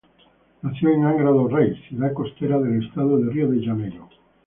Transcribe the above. Nació en Angra dos Reis, ciudad costera del estado de Río de Janeiro.